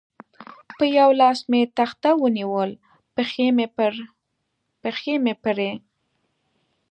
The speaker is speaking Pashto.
په یوه لاس مې تخته ونیول، پښې مې پرې.